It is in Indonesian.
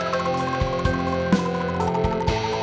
oh itu banyak